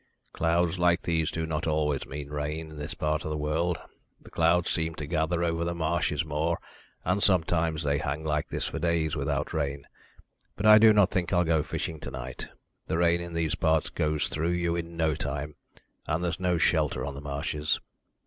"Clouds like these do not always mean rain in this part of the world. The clouds seem to gather over the marshes more, and sometimes they hang like this for days without rain. But I do not think I'll go fishing to night. The rain in these parts goes through you in no time, and there's no shelter on the marshes."